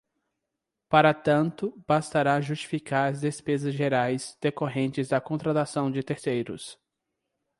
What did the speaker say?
Para tanto, bastará justificar as despesas gerais decorrentes da contratação de terceiros.